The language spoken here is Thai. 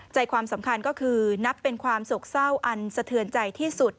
ใจความสำคัญก็คือนับเป็นความโศกเศร้าอันสะเทือนใจที่สุด